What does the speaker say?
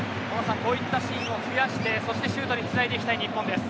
こういったシーンを増やしてそしてシュートにつなげていきたい日本です。